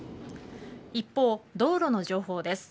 一方、道路の情報です。